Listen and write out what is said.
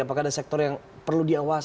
apakah ada sektor yang perlu diawasi